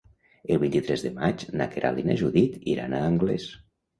El vint-i-tres de maig na Queralt i na Judit iran a Anglès.